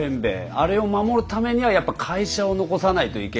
あれを守るためにはやっぱ会社を残さないといけないって。